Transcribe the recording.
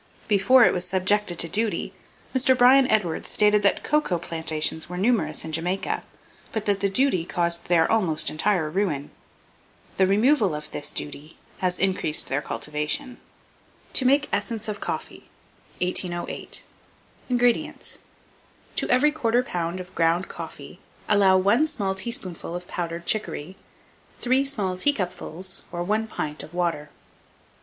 Before it was subjected to duty, Mr. Bryan Edwards stated that cocoa plantations were numerous in Jamaica, but that the duty caused their almost entire ruin. The removal of this duty has increased their cultivation. (For engraving of cocoa bean, see No. 1816.) TO MAKE ESSENCE OF COFFEE. 1808. INGREDIENTS. To every 1/4 lb. of ground coffee allow 1 small teaspoonful of powdered chicory, 3 small teacupfuls, or 1 pint, of water.